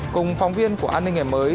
cùng phóng viên của an ninh ngày mới